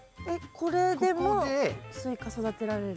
これでもスイカ育てられる？